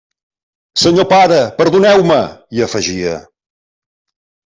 «Senyor pare, perdoneu-me», hi afegia.